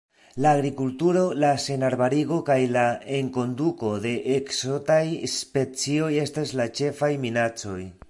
La agrikulturo, la senarbarigo kaj la enkonduko de ekzotaj specioj estas la ĉefaj minacoj.